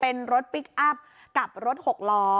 เป็นรถพลิกอัพกับรถหกล้อ